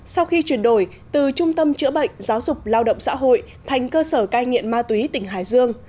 sau khi chuyển đổi từ trung tâm chữa bệnh giáo dục lao động xã hội thành cơ sở cai nghiện ma túy tỉnh hải dương